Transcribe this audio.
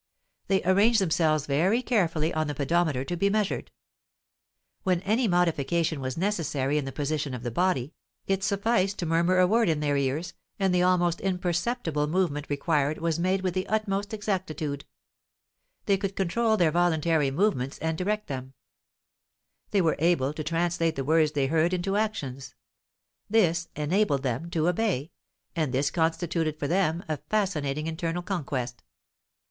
They arranged themselves very carefully on the pedometer to be measured; when any modification was necessary in the position of the body, it sufficed to murmur a word in their ears and the almost imperceptible movement required was made with the utmost exactitude; they could control their voluntary movements and direct them; they were able to translate the words they heard into actions: this enabled them to obey, and this constituted for them a fascinating internal conquest.